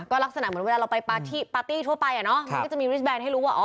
ก็ลักษณะเหมือนเวลาเราไปปาร์ตี้ปาร์ตี้ทั่วไปอ่ะเนาะมันก็จะมีให้รู้ว่าอ๋อ